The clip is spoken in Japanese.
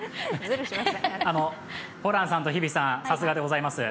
ホランさんと日比さん、さすがでございます。